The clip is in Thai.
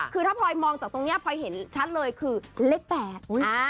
คือถ้าพลอยมองจากตรงนี้พลอยเห็นชัดเลยคือเลข๘